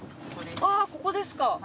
あっここですか？